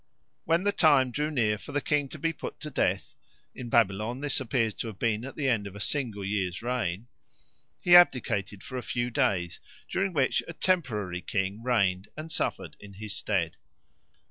When the time drew near for the king to be put to death (in Babylon this appears to have been at the end of a single year's reign) he abdicated for a few days, during which a temporary king reigned and suffered in his stead.